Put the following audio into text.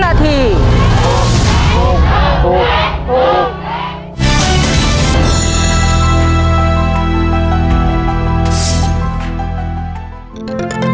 พูดแรกพูดแรกพูดแรก